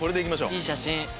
いい写真！